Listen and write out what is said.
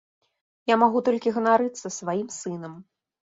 Я магу толькі ганарыцца сваім сынам.